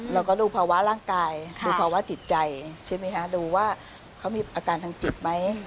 เราก็ดูภาวะร่างกายดูภาวะจิตใจใช่ไหมคะดูว่าเขามีอาการทางจิตไหม